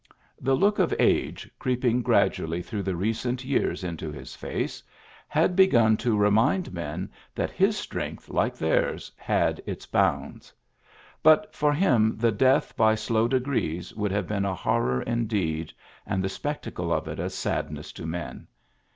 The look of age, creeping gradually through recent years into his face, had begun to remind men that his strength, like theirs, had its bounds. But for him the death by slow degrees would have been a horror indeed, and the spec tacle of it a sadness to men.